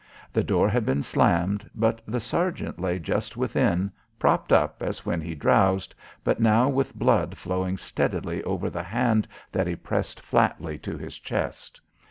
The door had been slammed, but the sergeant lay just within, propped up as when he drowsed, but now with blood flowing steadily over the hand that he pressed flatly to his chest.